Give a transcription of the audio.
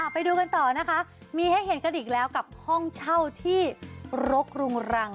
ไปดูกันต่อนะคะมีให้เห็นกันอีกแล้วกับห้องเช่าที่รกรุงรัง